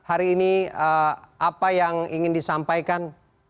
apa yang ingin disampaikan